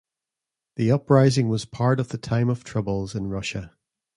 The uprising was part of the Time of Troubles in Russia.